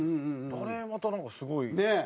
あれまたなんかすごい。ねえ。